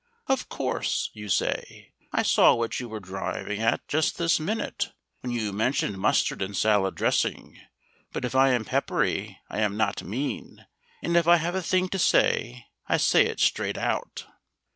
"Of course," you say, "I saw what you were driving at just this minute, when you mentioned mustard in salad dressing, but if I am peppery I am not mean. And if I have a thing to say I say it straight out."